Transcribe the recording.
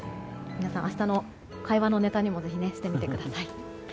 皆さん明日の会話のネタにもしてみてください。